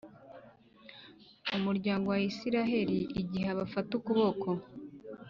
umuryango wa israheli igihe abafata ukuboko